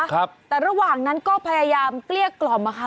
ครับแต่ระหว่างนั้นก็พยายามเกลี้ยกล่อมอะค่ะ